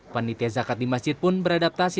panitia zakat di masjid pun beradaptasi